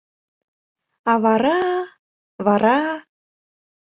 А вара... вара...